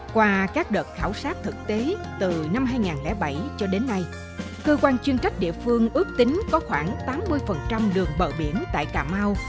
qua các đợt khảo sát thực tế từ năm hai nghìn bảy cho đến nay cơ quan chuyên trách địa phương ước tính có khoảng tám mươi đường bờ biển tại cà mau